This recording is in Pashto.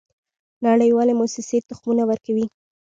نړیوالې موسسې تخمونه ورکوي.